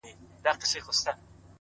• ز ماپر حا ل باندي ژړا مه كوه ـ